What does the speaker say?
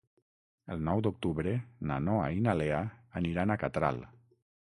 El nou d'octubre na Noa i na Lea aniran a Catral.